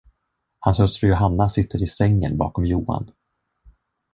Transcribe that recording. Hans hustru Johanna sitter i sängen bakom Johan.